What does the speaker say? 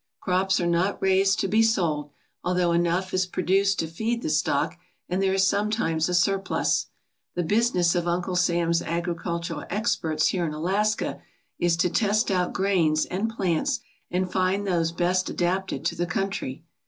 Crops are not raised to be sold, al though enough is produced to feed the stock and there is sometimes a surplus. The business of Uncle Sam's agri cultural experts here in Alaska is to test out grains and plants and find those best adapted to the country.